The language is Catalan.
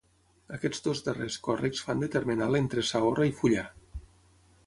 Aquests dos darrers còrrecs fan de termenal entre Saorra i Fullà.